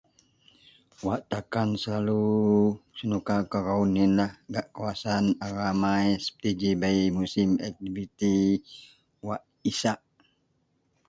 Wak takan selalu senuka kou rawon iyenlah gak kawasan a ramai seperti bei musim aktiviti wak isak.